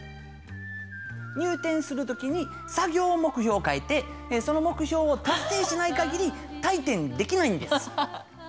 入店するときに作業目標を書いてその目標を達成しないかぎり退店できないんです。